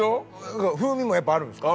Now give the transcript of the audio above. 風味もやっぱあるんすか？